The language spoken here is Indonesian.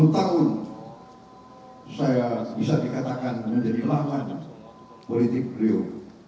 sepuluh tahun saya bisa dikatakan menjadi lawan politik beliau